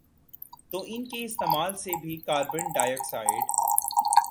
تو ان کے استعمال سے بھی کاربن ڈائی آکسائیڈ